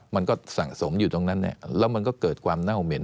มันก็สะสมอยู่ตรงนั้นแล้วมันก็เกิดความเน่าเหม็น